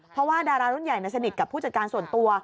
เพราะว่าดารารุ่นใหญ่สนิทกับผู้จัดการส่วนตัว